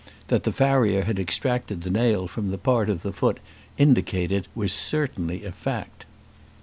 That the farrier had extracted the nail from the part of the foot indicated was certainly a fact.